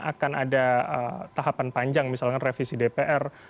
akan ada tahapan panjang misalkan revisi dpr